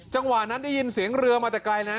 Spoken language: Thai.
จังหวะนั้นได้ยินเสียงเรือมาแต่ไกลนะ